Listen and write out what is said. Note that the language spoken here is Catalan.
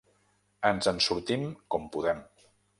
Ens en sortim com podem.